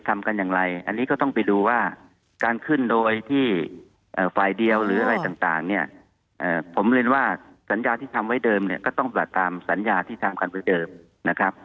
ท่านรองทราบใช่ไหมคะค่ะ